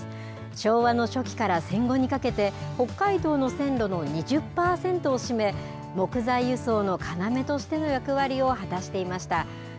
昭和の初期から戦後にかけて、北海道の線路の２０％を占め、木材輸送の要としての役割を果たしていました。